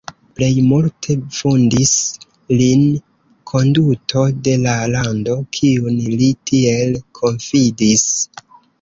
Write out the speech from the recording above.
Plej multe vundis lin konduto de la lando, kiun li tiel konfidis.